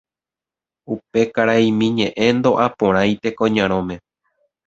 Upe karaimi ñe'ẽ ndo'aporãi Tekoñarõme